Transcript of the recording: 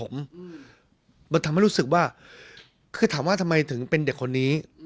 มันทำให้รู้สึกว่าคือถามว่าทำไมถึงเป็นเด็กคนนี้